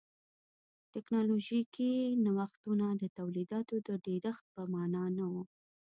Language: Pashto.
ټکنالوژیکي نوښتونه د تولیداتو د ډېرښت په معنا نه و.